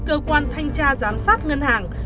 cơ quan thanh tra giám sát ngân hàng